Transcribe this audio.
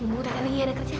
tidak ada kerjaan